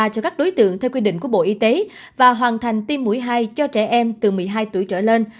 cho các đối tượng theo quy định của bộ y tế và hoàn thành tiêm mũi hai cho trẻ em từ một mươi hai tuổi trở lên